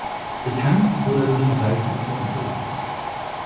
Bekannt wurde er durch die Seifenoper "Unter uns".